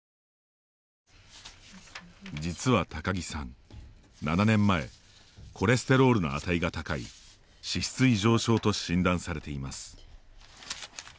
実は高木さん、７年前コレステロールの値が高い脂質異常症と診断されています。